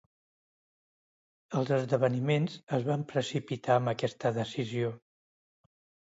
Els esdeveniments es van precipitar amb aquesta decisió.